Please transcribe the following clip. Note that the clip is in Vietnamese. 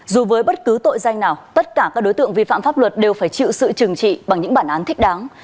dù với bất cứ tội danh nào tất cả các đối tượng vi phạm pháp luật đều phải chịu sự trừng trị bằng những bản án thích đáng